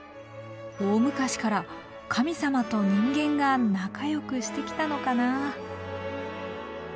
大昔から神様と人間が仲よくしてきたのかな。